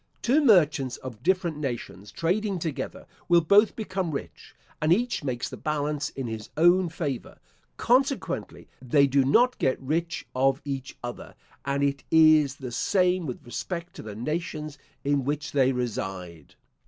Two merchants of different nations trading together, will both become rich, and each makes the balance in his own favour; consequently, they do not get rich of each other; and it is the same with respect to the nations in which they reside.